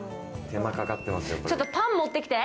手間かかってますよ、これ。